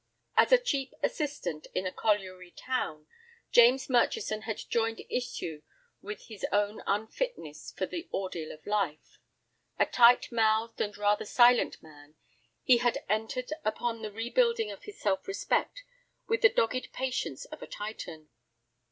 As a cheap assistant in a colliery town, James Murchison had joined issue with his own unfitness for the ordeal of life. A tight mouthed and rather silent man, he had entered upon the rebuilding of his self respect with the dogged patience of a Titan.